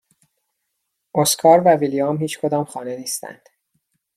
اسکار و ویلیام هیچکدام خانه نیستند.